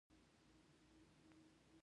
سرعت یو سمتي مقدار دی.